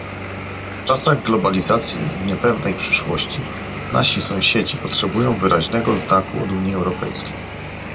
W czasach globalizacji i niepewnej przyszłości, nasi sąsiedzi potrzebują wyraźnego znaku od Unii Europejskiej